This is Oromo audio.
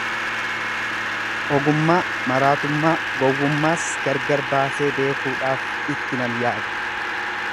Ogummaa, maraatummaa, gowwummaas gargar baasee beekuudhaaf itti nan yaade,